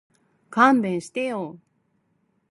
勘弁してよ